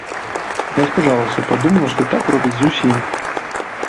Я спужалася, падумала, што так робяць з усімі.